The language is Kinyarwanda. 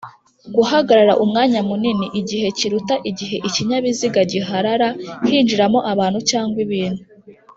Guhagarara umwanya muniniIgihe kiruta igihe ikinyabiziga giharara hinjiramo abantu cg ibintu